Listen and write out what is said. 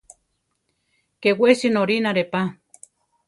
Ké wesi norínare pa.